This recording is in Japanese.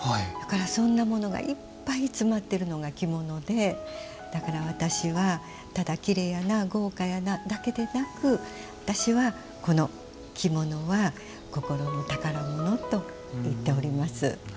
そんなものがいっぱい詰まっているのが着物で、だから私はただきれいやな、豪華やなだけでなく私は、「きものは心の宝物」と言っております。